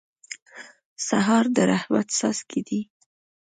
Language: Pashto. سهار د رحمت څاڅکي دي.